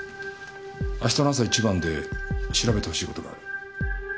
明日の朝一番で調べてほしい事がある。